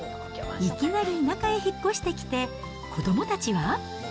いきなり田舎へ引っ越してきて、子どもたちは？